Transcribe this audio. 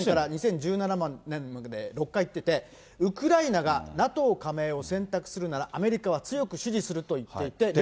２００９年から２０１７年まで６回行ってて、ウクライナがＮＡＴＯ加盟を選択するなら、アメリカは強く支持すると言っていて。